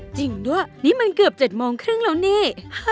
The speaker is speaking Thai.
จริงด้วยนี่มันเกือบ๗โมงครึ่งแล้วนี่